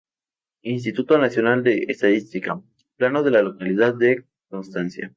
Instituto Nacional de Estadística: "Plano de la localidad de Constancia"